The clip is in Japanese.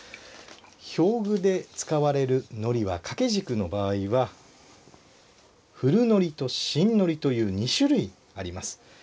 表具で使われる糊は掛け軸の場合は古糊と新糊という２種類あります。